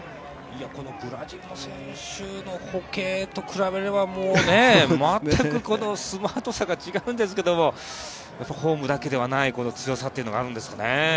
ブラジルの選手の歩型と比べれば、全くスマートさが違うんですけどフォームだけではない強さというのがあるんですかね。